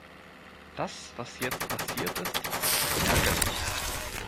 Das was jetzt passiert ist, ist ärgerlich.